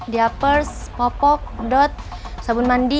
diapers popok pedot sabun mandi